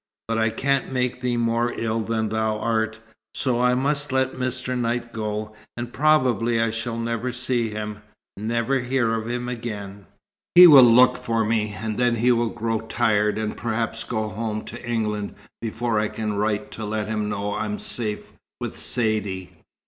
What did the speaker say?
"But I can't make thee more ill than thou art, so I must let Mr. Knight go. And probably I shall never see him, never hear of him again. He will look for me, and then he will grow tired, and perhaps go home to England before I can write to let him know I am safe with Saidee."